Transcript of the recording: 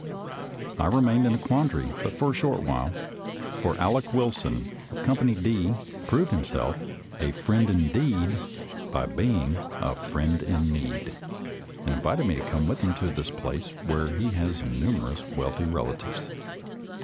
I remained in a quandary but a short while, for Aleck Wilson, of Company . D, proved himself " a friend indeed " by being " a friend in need," and invited me to come with him to this place, where he has numerous wealthy relatives.